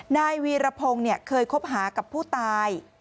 นายวีรพงศ์เคยคบหากับผู้ตาย